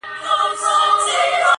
پربت باندي يې سر واچوه!